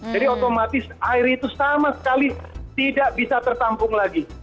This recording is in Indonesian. jadi otomatis air itu sama sekali tidak bisa tertampung lagi